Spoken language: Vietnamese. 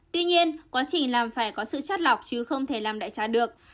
tuy nhiên quá trình làm phải có sự chất lọc chứ không thể làm đại tra được